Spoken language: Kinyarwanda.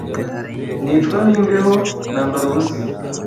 nicwa n’imbeho, nambara ubusa